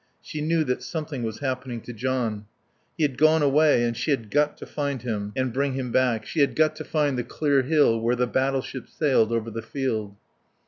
She knew that something was happening to John. He had gone away and she had got to find him and bring him back. She had got to find the clear hill where the battleship sailed over the field.